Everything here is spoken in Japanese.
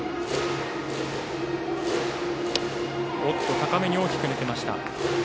高めに大きく抜けました。